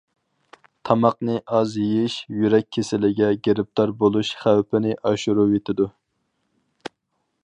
تاماقنى ئاز يېيىش يۈرەك كېسىلىگە گىرىپتار بولۇش خەۋپىنى ئاشۇرۇۋېتىدۇ.